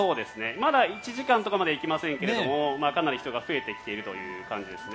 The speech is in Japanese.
まだ１時間とかまではいきませんがかなり人が増えてきているという感じですね。